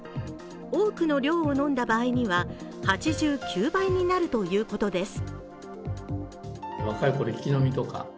多くの量を飲んだ場合には８９倍になるということです。